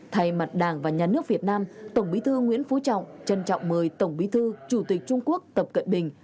thay mặt đảng và nhà nước việt nam tổng bí thư nguyễn phú trọng trân trọng mời tổng bí thư chủ tịch trung quốc tập cận bình